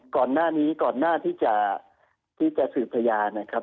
ก่อนหน้านี้ก่อนหน้าที่จะสืบพยานนะครับ